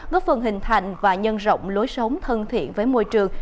góp phần hình thành và nhân rộng lối sống thân thiện với môi trường